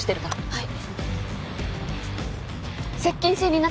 はい。